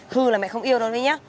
hư là mẹ không yêu đâu